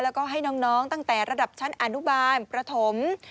แล้วก็ให้น้องตั้งแต่ระดับชั้นอนุบาลประถม